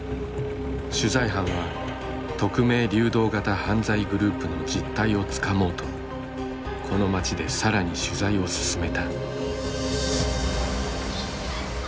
取材班は匿名・流動型犯罪グループの実態をつかもうとこの町で更に取材を進めた。